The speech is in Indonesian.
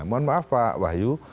mohon maaf pak wahyu